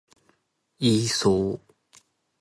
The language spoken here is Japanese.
イーソー